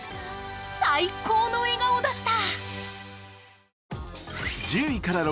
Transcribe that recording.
最高の笑顔だった。